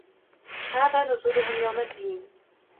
هذا نزلهم يوم الدين